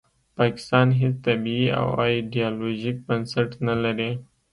پاکستان هیڅ طبیعي او ایډیالوژیک بنسټ نلري